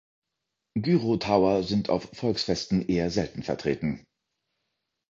Gyro-Tower sind auf Volksfesten eher selten vertreten.